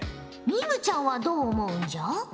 ミムちゃんはどう思うんじゃ？